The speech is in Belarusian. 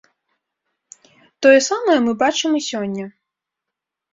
Тое самае мы бачым і сёння.